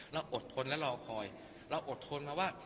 อดทนและรอคอยเราอดทนมาว่า